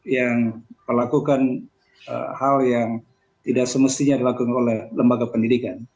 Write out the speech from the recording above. yang melakukan hal yang tidak semestinya dilakukan oleh lembaga pendidikan